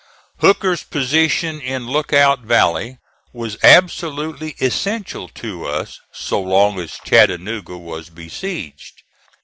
Hooker's position in Lookout Valley was absolutely essential to us so long as Chattanooga was besieged.